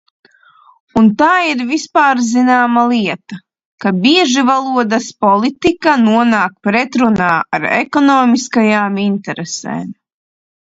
Un tā ir vispārzināma lieta, ka bieži valodas politika nonāk pretrunā ar ekonomiskajām interesēm.